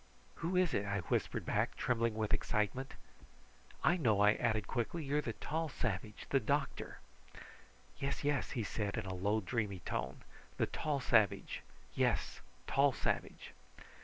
"Who is it?" I whispered back, trembling with excitement. "I know!" I added quickly; "you are the tall savage the doctor!" "Yes yes!" he said in a low dreamy tone. "The tall savage! Yes tall savage!"